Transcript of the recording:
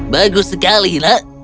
bagus sekali nak